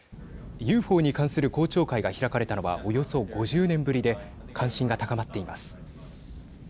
ＵＦＯに関する公聴会が開かれたのはおよそ５０年ぶりで関心が高まっています。